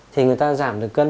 thì người ta giảm được cân